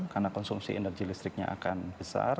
karena konsumsi energi listriknya akan besar